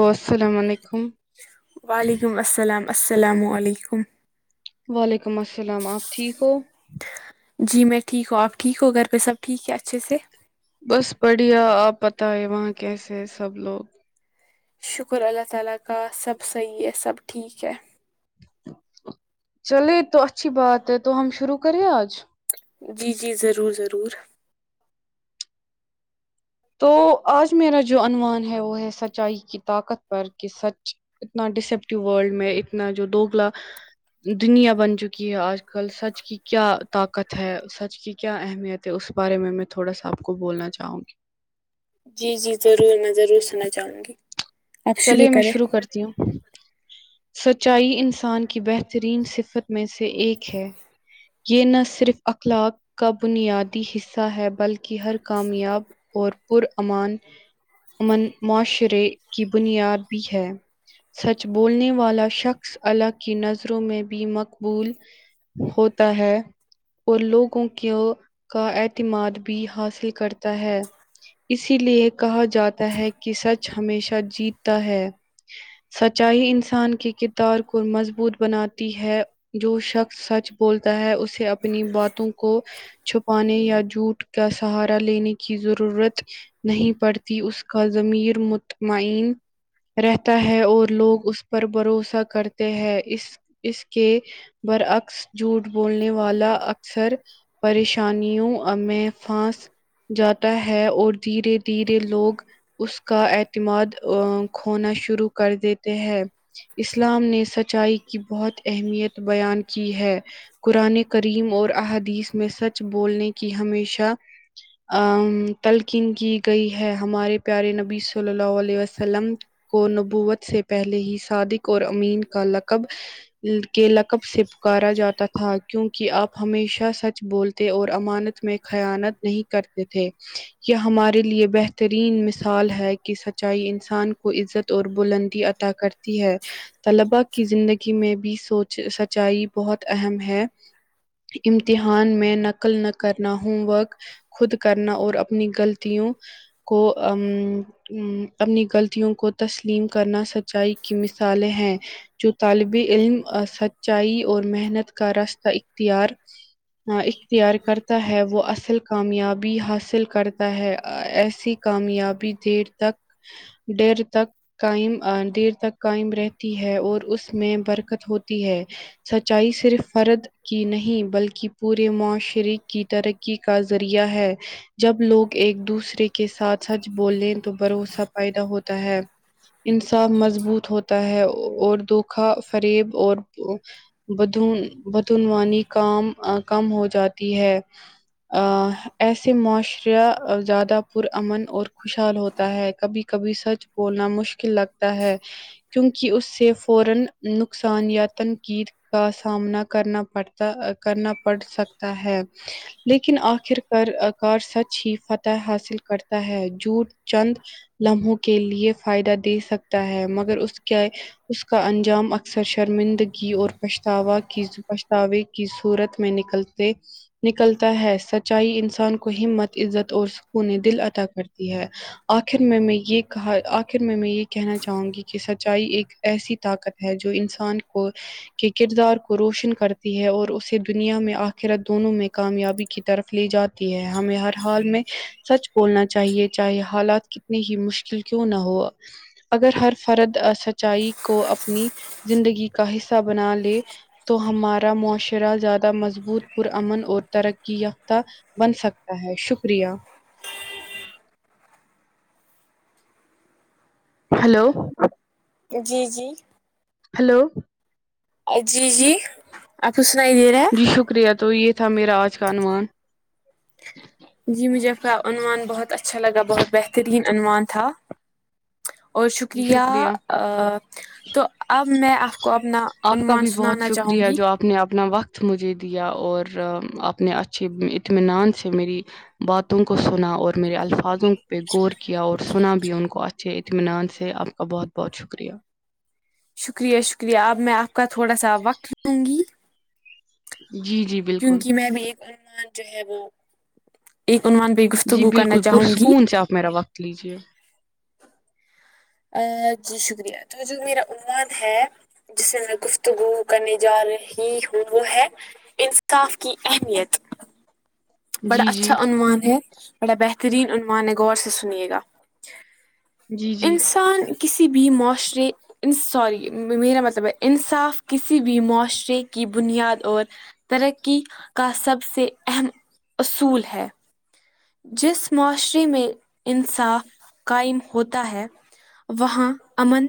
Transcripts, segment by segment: تو السلام علیکم وعلیکم السلام السلام علیکم وعلیکم السلام آپ ٹھیک ہو جی میں ٹھیک ہوں آپ ٹھیک ہو گھر پہ سب ٹھیک ہے اچھے سے بس بڑھیا آپ پتاے وہاں کیسے ہے سب لوگ شکر اللہ تعالی کا سب صحیح ہے سب ٹھیک ہے چلے تو اچھی بات ہے تو ہم شروع کرے آج جی جی ضرور ضرور تو آج میرا جو عنوان ہے وہ ہے سچائی کی طاقت پر کہ سچ اتنا ڈسپٹو ورلڈ میں اتنا جو دوگلا دنیا بن چکی ہے آج کل سچ کی کیا طاقت ہے سچ کی کیا اہمیت تو اس بارے میں میں تھوڑا سا آپ کو بولنا چاہوں گی جی جی ضرور میں ضرور سننا چاہوں گی آپ چلیے میں کریں شروع کرتی ہوں سچائی انسان کی بہترین صفت میں سے ایک ہے یہ نہ صرف اخلاق کا بنیادی حصہ ہے بلکہ کی ہر کامیاب اور پر امان امن معاشرے کی بنیاد بھی ہے سچ بولنے والا شخص اللہ کی نظروں میں بھی مقبول ہوتا ہے اور لوگوں کی کا اعتماد بھی حاصل کرتا ہے اسی لیے کہا جاتا ہے کہ سچ ہمیشہ جیتتا ہے سچائی انسان کے کردار کو مضبوط بناتی ہے جو شخص سچ بولتا ہے اسے اپنی باتوں کو چھپانے یا جھوٹ کا سہارا لینے کی ضرورت نہیں پڑتی اس کا ضمیر متھمعین رہتا ہے اور لوگ اس پر بھروسا کرتے ہیں اس اس کے برعکس جھوٹ بولنے والا اکثر پریشانیوں ہمے پھانس جاتا ہے اور دھیرے دھیرے لوگ اس کا اعتماد کھونا شروع کر دیتے ہیں اسلام نے سچائی کی بہت اہمیت بیان کی ہے قرآن کریم اور احادیث میں سچ بولنے کی ہمیشہ ا تلکین کی گئی ہے ہمارے پیارے نبی سے صلی اللہ علیہ وسلم کو نبوت سے پہلے ہی صادق اور امین کا لقب کے لقب سے پکارا جاتا تھا کیونکہ آپ ہمیشہ سچ بولتے اور امانت میں خیانت نہیں کرتے تھے یہ ہمارے لیے بہترین مثال ہے کی سچائی انسان کو عزت اور بلندی عطا کرتی ہے طلبا کی زندگی میں بھی سونچ سچچائی بہت اہم ہے امتحان میں نقل نہ کرنا ہوم ورک خود کرنا اور اپنی غلطیوں کو امم ا اپنی غلطیوں کو تسلیم کرنا سچائی کی مثالیں ہیں جو طالب علم سچائی اور محنت کا راستہ اختیار اختیار کرتا ہے وہ اصل کامیابی حاصل کرتا ہے ایسی کامیابی دیر تک ڈیر تک قائم دیر تک قائم رہتی ہے اور اس میں برکت ہوتی ہے سچائی صرف فرد کی نہیں بلکہ پورے معاشرے ترقی کا ذریعہ ہے جب لوگ ایک دوسرے کے ساتھ سچ بول لیں تو بھروسہ پیدا ہوتا ہے انصاف مضبوط ہوتا ہے اور دوکھا فریب اور بدہن بتعنوانی کام کم ہو جاتی ہے ایسے معاشرہ زیادہ پرامن اور خوشحال ہوتا تا ہے کبھی کبھی سچ بولنا مشکل لگتا ہے کیونکہ اس سے فورن نقصان یا تنقید کا سامنا کرنا پڑتا کرنا پڑ سکتا ہے لیکن آخر کر آکار سچ ہی فاتحہ حاصل کرتا ہے جوٹ چند لمحوں کے لیے فائدہ دے سکتا ہے مگر اس کے اس کا انجام اکثر شرمندگی اور پچھتاوا کی پچھتاوے کی صورت میں نکلتے نکلتا ہے سچائی انسان کو ہمت عزت اور سکوون دل اتا کرتی ہے آخر میں میں یہ کہا آخر میں یہ کہنا چاہوں گی کہ سچائی ایک ایسی طاقت ہے جو انسان کو کے کردار کو روشن کرتی ہے اور اسے دنیا میں آخرات دونوں میں کامیابی کی طرف لی جاتی ہے ہمیں ہر حال میں سچ بولنا چاہیے چاہے حالات کتنی ہی مشکل کیوں نہ ہوا اگر ہر فراد سچائی کو اپنی زندگی کا حصہ بنا لے تو ہمارا معاشرہ زیادہ مضبوط پرامن اور ترقی یافتہ بن سکتا ہے شکریہ ہلو جی جی ہلو جی جی آپ کو سنائی دے رہا ہے جی شکریہ تو یے تھا میرا آج کا عنوان جی مجھے کا عنوان بہت اچھا لگا بہت بہترین عنوان تھا اور شکریہ ا ا تو اب میں آپ کو اپنا آپ کا عنوان بھی بہت سنانا چاہوں شکریہ گی جو اپ نے اپنا وقت مجھے دیا اور اپنے اچھے اطمینان سے میری باتوں کو سنا اور میرے الفاظوں پہ غور کیا اور سنا بھی ان کو اچھے اطمینان سے بہت بہت شکریہ شکریہ شکریہ اب میں آپ کا تھوڑا سا وقت لوں گی جی جی بالکل کیونکی میں بھی ایک عنوان جو ہے وہ ایک عنوان پے جی بالکل پرسکون سے آپ میرا وقت لیجیے جی شکریہ تو جو میرا عنوان ہے جسے میں گفتگو کرنے جا رہی ہوں وہ ہے انصاف کی اہمیت بڑا جی جی اچھا عنوان ہے بڑا بہترین عنوان ہے غور سے سنیے گا جی جی انسان کسی بھی معاشرے ان سوری میرا مطلب ہے انصاف کسی بھی معاشرے کی بنیاد اور ترقی کا سب سے اہم اصول ہے جس معاشرے میں انصاف قائم ہوتا ہے وہاں امن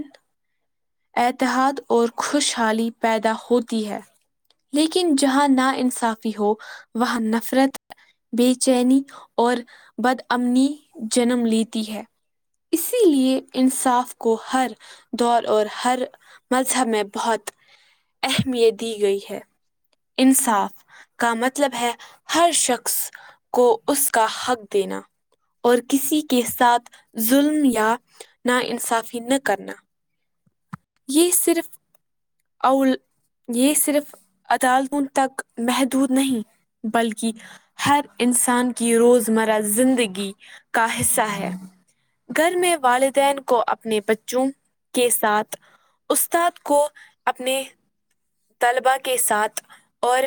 اتحاد اور خوشحالی پیدا ہوتی ہے لیکن جہاں نا انصافی ہو وہاں نفرت بے چینی اور بد امنی جنم لیتی ہے اسی لیے انصاف کو ہر دور اور ہر مذہب میں بہت اہمیت دی گئی ہے انصاف کا مطلب ہے ہر شخص کو اس کا حق دینا اور کسی کے ساتھ ظلم یا نانصافی نہ کرنا یے صرف اول یے صرف عدالتوں تک محدود نہیں بلکی ہر انسان کی روزمرہ زندگی کا حصہ ہے گھر میں والدین کو اپنے بچوں کے ساتھ استاد کو اپنے طلبا کے ساتھ اور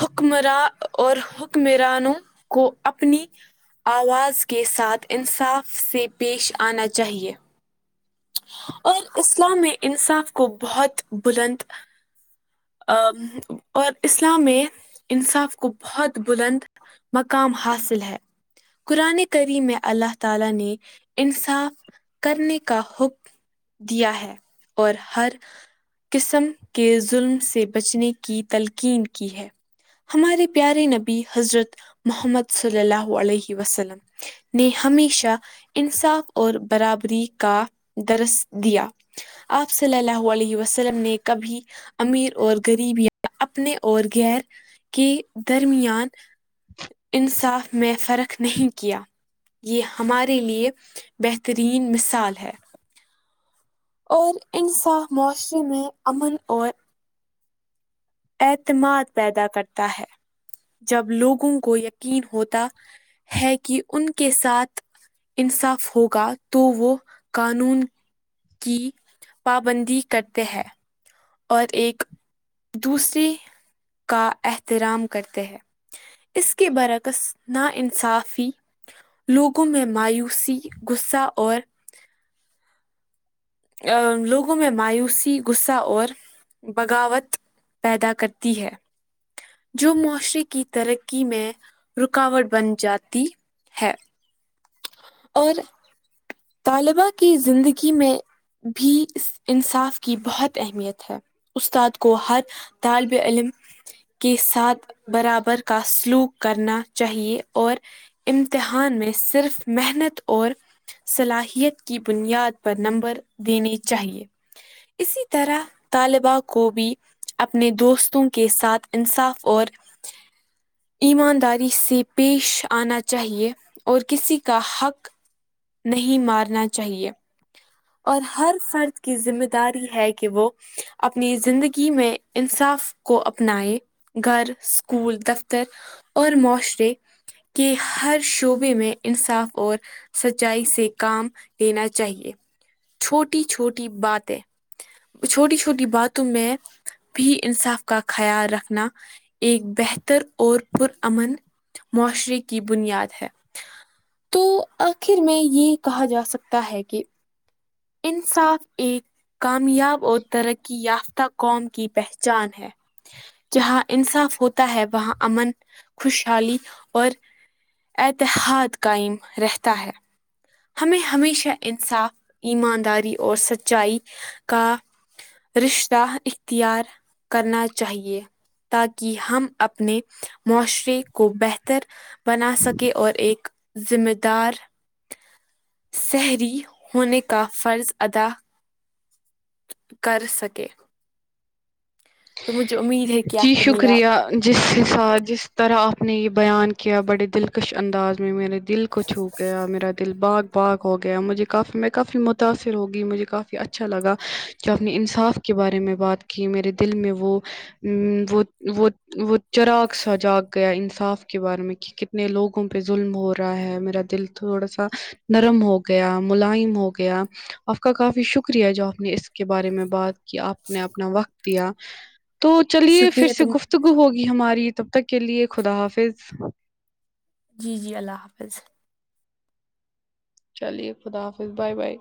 حکمرا اور حکمرانوں کو اپنی آواز کے ساتھ انصاف سے پیش آنا چاہیے اور اسلام میں انصاف کو بہت بلند آ اور اسلام میں انصاف کو بہت بلند مقام حاصل ہے قران کریم میں اللہ تعالی نے انصاف کرنے کا حکم دیا ہے اور ہر قسم کے ظلم سے بچنے کی تلقین کی ہے ہمارے پیارے نبی حضرت محمد صلی اللہ علیہ وسلم نے ہمیشہ انصاف اور برابری کا درس دیا آپ صلی اللہ علیہ وسلم نے کبھی امیر اور غریب اپنے اور گیر کے درمیان انصاف میں فرق نہیں کیا یہ ہمارے لیے بہترین مثال ہے اور انصاف معاشرے میں امن اور اعتماد پیدا کرتا ہے جب لوگوں کو یقین ہوتا ہے کی ان کے ساتھ انصاف ہوگا تو وہ قانون کی پابندی کرتے ہیں اور ایک دوسرے کا احترام کرتے ہیں اس کے برعکس ناانصافی لوگوں میں مایوسی غصہ اور آ لوگوں میں مایوسی غصہ اور بغاوت پیدا کرتی ہے جو معاشرے کی ترقی میں رکاوٹ بن جاتی ہے اور طالبا کی زندگی میں بھی انصاف کی بہت اہمیت ہے استاد کو ہر طالب علم کے ساتھ برابر کا سلوک کرنا چاہیے اور امتحان میں صرف محنت اور صلاحیت کی بنیاد پر نمبر دینی چاہیے اسی طرح طالبا کو بھی اپنے دوستوں کے ساتھ انصاف اور ایمانداری سے پیش آنا چاہیے اور کسی کا حق نہیں مارنا چاہیے اور ہر فرد کی ذمہ داری ہے کہ وہ اپنی زندگی میں انصاف کو اپنائے گھر اسکول دفتر اور معاشرے کہ ہر شعبے میں انصاف اور سچائی سے کام لینا چاہیے چھوٹی چھوٹی باتیں چھوٹی چھوٹی باتوں میں بھی انصاف کا خیال رکھنا ایک بہتر اور پرامن معاشرے کی بنیاد ہے تو آخر میں یہ کہا جا سکتا ہے کہ انصاف ایک کامیاب اور ترقی یافتہ قوم کی پہچان ہے جہاں انصاف ہوتا ہے وہاں امن خوشحالی اور اتحاد قائم رہتا ہے ہمیں ہمیشہ انصاف ایمانداری اور سچائی کا رشتہ اختیار کرنا چاہیے تاکہ ہم اپنے معاشرے کو بہتر بنا سکے اور ایک ذمہ دار سہلی ہونے کا فرض ادا کر سکے تو مجھے امی جی شکریہ جس حساب جس طرح آپ نے یہ بیان کیا بڑے دلکش انداز میں میرے دل کو چھو گیا میرا دل باغ باغ ہو گیا مجھے کافی میں کافی متاثر ہوگی مجھے کافی اچھا لگا جو اپنے انصاف کے بارے میں بات کی میرے دل میں وہ وہ وہ وہ چراغ سا جاگ گیا انصاف کے بارے میں کی کتنے لوگوں پہ ظلم ہو رہا ہے میرا دل تھوڑا سا نرم ہو گیا ملائم ہو گیا آپ کا کافی شکریہ جو آپ نے اس کے بارے میں بات کے اپنے اپنا وقت دیا تو چلیے پھر شکریہ سے تم گفتگو ہوگی ہماری تب تک کے لیے خدا حافظ جی جی اللہ حافظ چلیے خدا حافظ بائے بائے